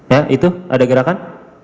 ya itu ada gerakan